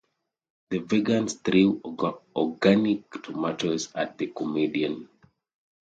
The vegans threw organic tomatoes at the comedian.